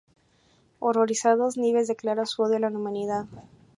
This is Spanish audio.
Horrorizados, Knives declara su odio a la humanidad.